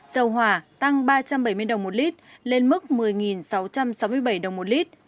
dầu hỏa tăng ba trăm bảy mươi đồng một lít lên mức một mươi sáu trăm sáu mươi bảy đồng một lít